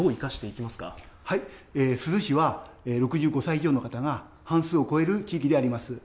ど珠洲市は、６５歳以上の方が半数を超える地域であります。